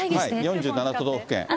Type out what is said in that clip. ４７都道府県。